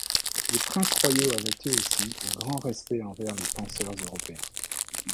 Les princes royaux avaient eux aussi un grand respect envers les penseurs européens.